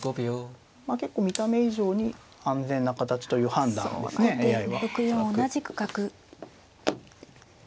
まあ結構見た目以上に安全な形という判断ですねＡＩは。